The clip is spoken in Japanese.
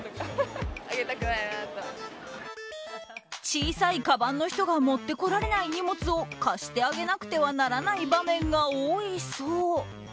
小さいかばんの人が持ってこられない荷物を貸してあげなくてはならない場面が多いそう。